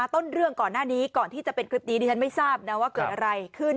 ต้นเรื่องก่อนหน้านี้ก่อนที่จะเป็นคลิปนี้ดิฉันไม่ทราบนะว่าเกิดอะไรขึ้น